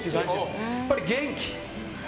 やっぱり元気。